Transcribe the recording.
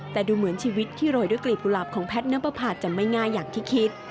แต่ดูเหมือนชีวิตที่โรยด้วยกลีบกุหลาบของแพทย์น้ำประพาจะไม่ง่ายอย่างที่คิด